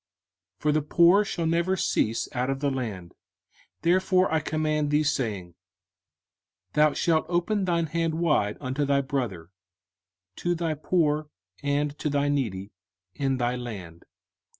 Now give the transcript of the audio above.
05:015:011 For the poor shall never cease out of the land: therefore I command thee, saying, Thou shalt open thine hand wide unto thy brother, to thy poor, and to thy needy, in thy land.